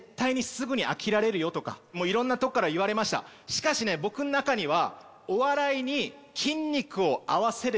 しかしね僕の中には。